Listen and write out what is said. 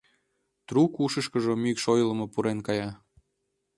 Трук ушышкыжо мӱкш ойлымо пурен кая.